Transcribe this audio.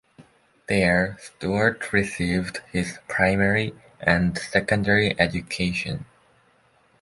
There Stuart received his primary and secondary education.